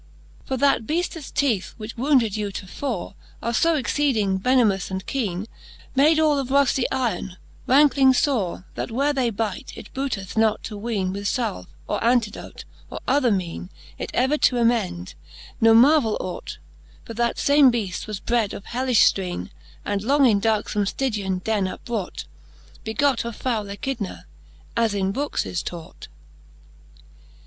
For that beaftes teeth, which wounded you tofore, Are fo exceeding venemous and keene, Made all of rufty yron, ranckling fore, That where they bite, it booteth not to weene With falve, or antidote, or other mene It ever to amend : ne marvaile ought ; For that fame beaft was bred of hellifh ftrene. And long in darkfome Stygian den upbrought, Begot of foule Echidna, as in bookes is taught.